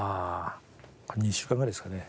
ああ２週間ぐらいですかね。